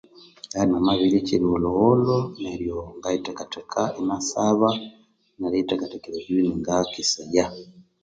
Ngabya namabirirya ekyerigholhogholho, ngayithekatheka ingasaba neriyithekathekera eribya iningayakesaya.